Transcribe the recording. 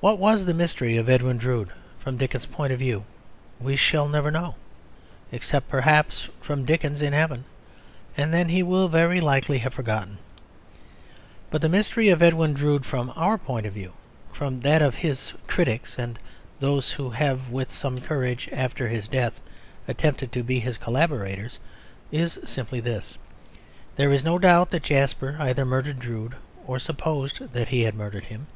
What was the mystery of Edwin Drood from Dickens's point of view we shall never know, except perhaps from Dickens in heaven, and then he will very likely have forgotten. But the mystery of Edwin Drood from our point of view, from that of his critics, and those who have with some courage (after his death) attempted to be his collaborators, is simply this. There is no doubt that Jasper either murdered Drood or supposed that he had murdered him.